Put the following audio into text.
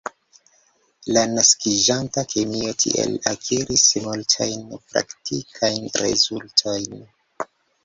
La naskiĝanta kemio tiel akiris multajn praktikajn rezultojn.